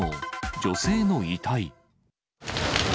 女性の遺体。